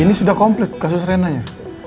ini sudah komplit kasus renanya